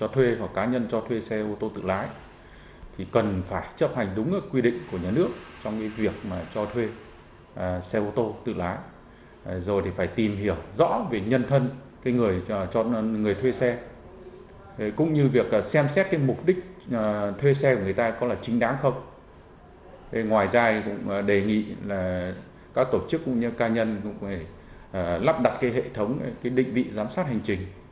tổ chức cũng đề nghị các tổ chức cũng như cá nhân lắp đặt hệ thống định vị giám sát hành trình